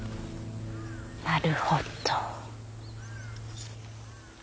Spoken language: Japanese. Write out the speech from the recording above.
なるほど。